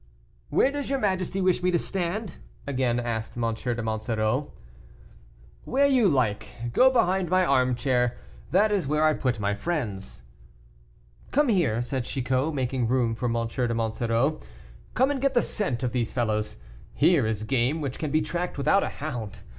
"Where does your majesty wish me to stand?" again asked M. de Monsoreau. "Where you like; go behind my armchair, that is where I put my friends." "Come here," said Chicot, making room for M. de Monsoreau, "come and get the scent of these fellows. Here is game which can be tracked without a hound.